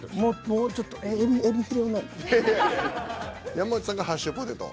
山内さんがハッシュポテト。